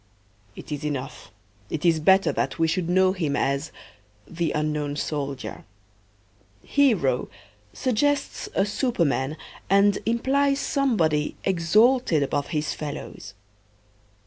It is enough, it is better that we should know him as "the unknown soldier." "Hero" suggests a superman and implies somebody exalted above his fellows.